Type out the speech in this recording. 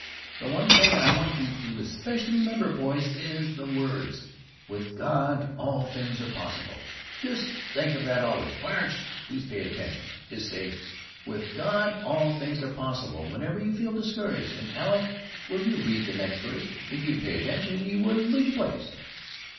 The one thing I want you to especially remember, boys, is the words, 'With God all things are possible.' Just think of that always Clarence, please pay attention just say 'With God all things are possible' whenever you feel discouraged, and, Alec, will you read the next verse; if you'd pay attention you wouldn't lose your place!"